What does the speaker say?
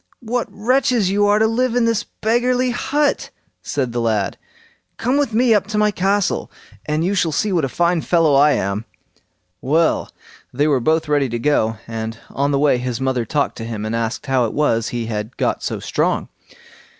"What wretches you are to live in this beggarly hut", said the lad. "Come with me up to my castle, and you shall see what a fine fellow I am." Well! they were both ready to go, and on the way his mother talked to him, and asked, "How it was he had got so strong?"